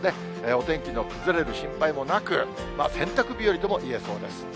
お天気の崩れる心配もなく、洗濯日和ともいえそうです。